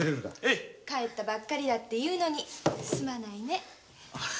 帰ったばかりだというのにすまないね。